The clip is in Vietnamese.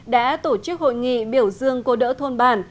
đã tổ chức hội nghị biểu dương cô đỡ thôn bản